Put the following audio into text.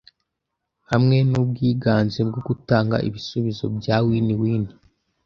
hamwe nubwiganze bwo gutanga ibisubizo bya WinWin